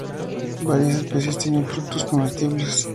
Varias especies tienen frutos comestibles.